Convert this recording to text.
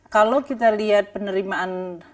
kalau kita lihat penerimaan